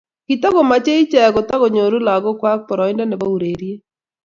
kotakomochei icheek kotakonyoru lakoikwach boroindo nebo ureryet